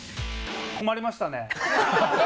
「困りましたね」？